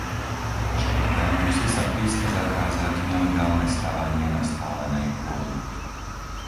po štvrté, musí sa prísne zakázať nelegálne stavanie na spálenej pôde,